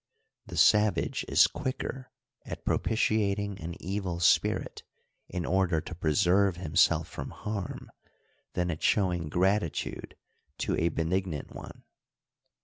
The savage is quicker at propitiating an evil spirit in order to preserve himself from harm than at showing gratitude to a benignant one.